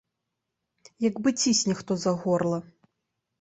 Як бы цісне хто за горла.